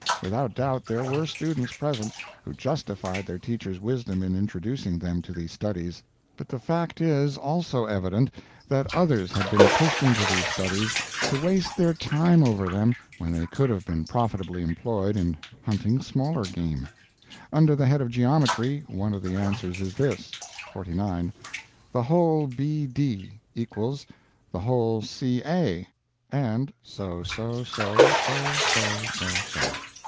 Without doubt, there were students present who justified their teacher's wisdom in introducing them to these studies; but the fact is also evident that others had been pushed into these studies to waste their time over them when they could have been profitably employed in hunting smaller game. Under the head of Geometry, one of the answers is this: "49. The whole BD = the whole CA, and so so so so so so so."